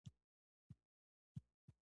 دا دویم اروپايي سهامي شرکت و.